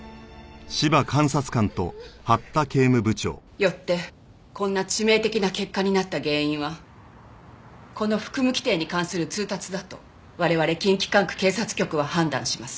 よってこんな致命的な結果になった原因はこの服務規程に関する通達だと我々近畿管区警察局は判断します。